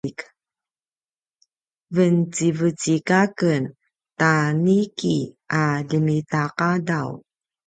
vencivecik a ken ta niki a ljemitaqadaw